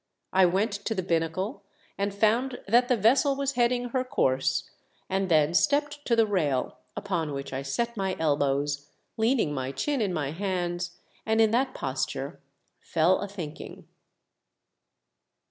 I went to the binnacle and found that the vessel was heading her course, and then stepped to the rail, upon which I set my elbows, leaning my chin in my hands, and in that posture fell a thinking.